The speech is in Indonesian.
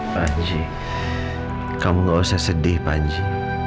panji kamu gak usah sedih panji